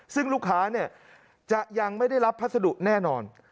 ซึ่งลูกค้าจะยังไม่ได้รับพัสดุแน่นอน